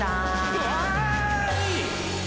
うわあい！